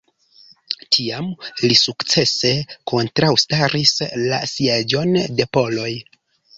Tiam li sukcese kontraŭstaris la sieĝon de poloj.